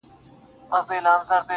د حالاتو سترگي سرې دې له خماره,